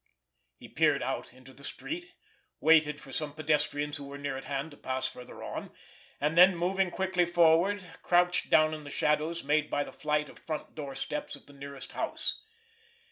He peered out into the street, waited for some pedestrians who were near at hand to pass further on, and then, moving quickly forward, crouched down in the shadows made by the flight of front door steps of the nearest house.